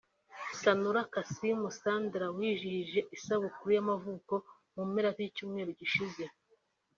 Sanura Kassim ’Sandra’ wizihije isabukuru y’amavuko mu mpera z’icyumweru gishize